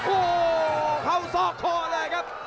ออกมาแล้วครับ